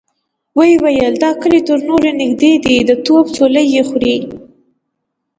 ويې ويل: دا کلي تر نورو نږدې دی، د توپ څولۍ يې خوري.